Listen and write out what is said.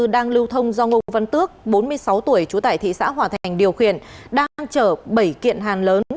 đang lưu thông do ngô văn tước bốn mươi sáu tuổi chú tải thị xã hòa thành điều khiển đang chở bảy kiện hàn lớn